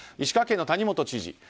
石川県の谷本知事